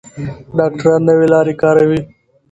ډاکټران نوې لارې کاروي.